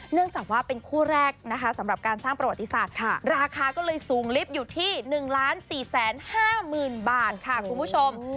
เนื่องจากว่าเป็นคู่แรกนะคะสำหรับการสร้างประวัติศาสตร์ราคาก็เลยสูงลิฟต์อยู่ที่๑๔๕๐๐๐บาทค่ะคุณผู้ชม